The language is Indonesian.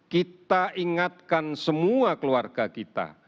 kita ingatkan semua keluarga kita